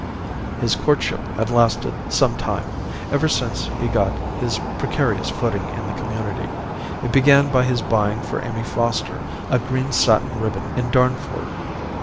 "His courtship had lasted some time ever since he got his precarious footing in the community. It began by his buying for Amy Foster a green satin ribbon in Darnford.